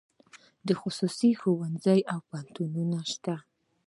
خصوصي ښوونځي او پوهنتونونه شته